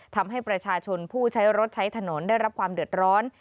ทำให้ประชาชนผู้ใช้รถใช้ถนนได้รับความเดือดร้อน